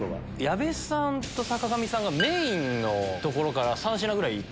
矢部さんと坂上さんがメインのところから３品ぐらい。